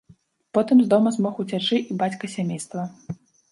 Потым з дома змог уцячы і бацька сямейства.